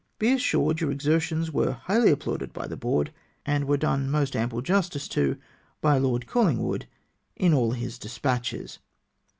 Be assured your exertions there were highly applauded by the Board, and were done most ample justice to by Lord Collingwood in all his despatches.